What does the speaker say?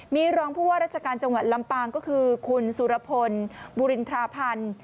มีรองผู้ว่าราชการจังหวัดลำปางก็คือคุณสุรพลบุรินทราพันธ์